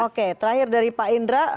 oke terakhir dari pak indra